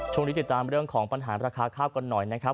ช่วงนี้ติดตามเรื่องของปัญหาราคาข้าวกันหน่อยนะครับ